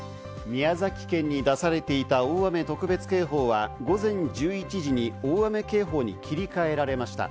宮崎県に出されていた大雨特別警報は午前１１時に大雨警報に切り替えられました。